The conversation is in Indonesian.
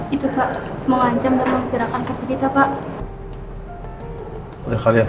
itu pak menghancam dan memperlukan keberitaan pak